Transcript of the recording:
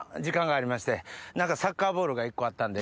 サッカーボールが１個あったんで。